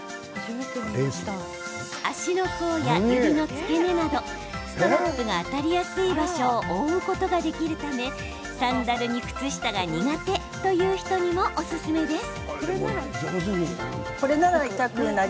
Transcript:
足の甲や指の付け根などストラップが当たりやすい場所を覆うことができるためサンダルに靴下が苦手という人にもおすすめです。